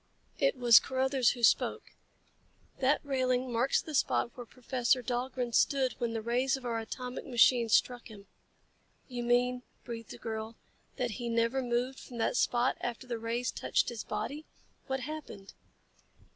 It was Carruthers who spoke. "That railing marks the spot where Professor Dahlgren stood when the rays of our atomic machine struck him." "You mean," breathed the girl, "that he never moved from that spot after the rays touched his body? What happened?"